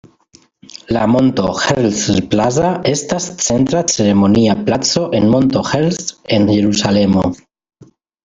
La Monto Herzl Plaza estas centra ceremonia placo en Monto Herzl en Jerusalemo.